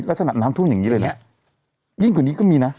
แล้วสนับน้ำทุ่มอย่างงี้เลยนะยิ่งกว่านี้ก็มีนะ